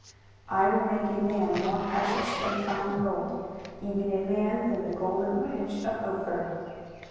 23:013:012 I will make a man more precious than fine gold; even a man than the golden wedge of Ophir.